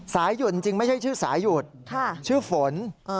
หยดจริงไม่ใช่ชื่อสายหยุดชื่อฝน